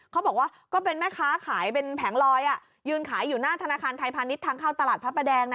เขาบอกว่าก็เป็นแม่ค้าขายเป็นแผงลอยยืนขายอยู่หน้าธนาคารไทยพาณิชย์ทางเข้าตลาดพระประแดงนะ